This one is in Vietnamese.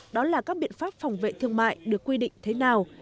đó là các biện pháp phòng vệ thương mại được quy định thế nào